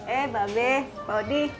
eh mbak be pak odi